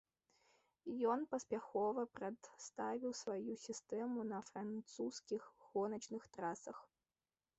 Ён паспяхова прадставіў сваю сістэму на французскіх гоначных трасах.